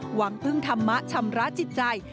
หวังพึ่งธรรมะชำระจิตใจ